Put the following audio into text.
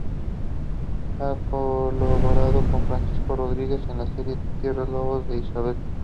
Ha colaborado con Francisco Rodríguez en las series Tierra de lobos e Isabel.